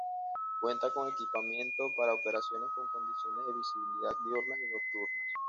Cuenta con equipamiento para operaciones con condiciones de visibilidad diurnas y nocturnas.